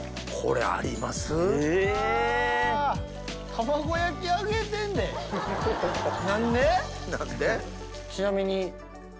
卵焼き揚げてんねん何で？何で？